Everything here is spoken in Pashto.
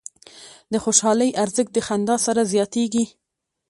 د خوشحالۍ ارزښت د خندا سره زیاتېږي.